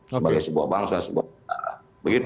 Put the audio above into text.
sebagai sebuah bangsa sebuah negara